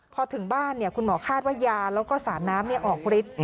พอถึงบ้านคุณหมอคาดว่ายาแล้วก็สารน้ำออกฤทธิ์